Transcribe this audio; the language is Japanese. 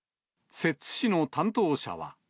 摂津市の担当者は。